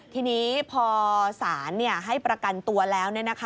ทีนี้พอสารให้ประกันตัวแล้ว